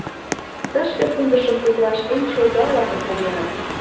Тышке пундышым куклаш эн чолга-влакым погеныт.